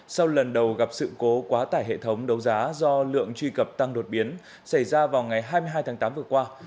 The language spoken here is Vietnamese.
sau lần đầu gặp sự cố quá tải hệ thống đấu giá do lượng truy cập tăng đột biến xảy ra vào ngày hai mươi hai tháng tám vừa qua